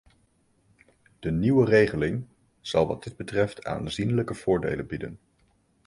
De nieuwe regeling zal wat dit betreft aanzienlijke voordelen bieden.